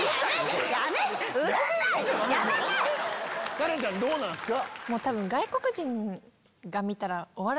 カレンちゃんどうなんですか？